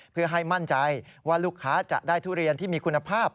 เพื่อให้มั่นใจว่าลูกค้าจะได้ทุเรียนที่มีคุณภาพ